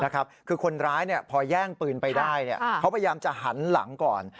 คือคนร้ายพอแย่งปืนไปได้เขาพยายามจะหันหลังก่อน